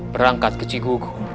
berangkat ke cikgu gur